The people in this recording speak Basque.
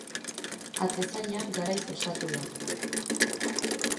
Atezaina garaiz osatu da.